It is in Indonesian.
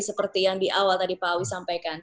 seperti yang di awal tadi pak awi sampaikan